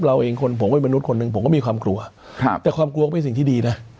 เราเองคนผมก็เป็นมนุษย์คนหนึ่งผมก็มีความกลัวครับแต่ความกลัวก็เป็นสิ่งที่ดีนะ